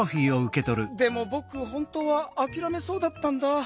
でもぼく本とうはあきらめそうだったんだ。